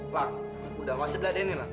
lang udah wasit lah deh ini lang